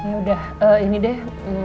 yaudah ini deh